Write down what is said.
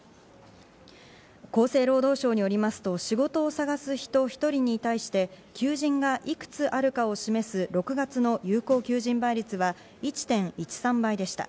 厚生労働省によりますと仕事を探す人１人に対して、求人がいくつあるかを示す６月の有効求人倍率は１．１３倍でした。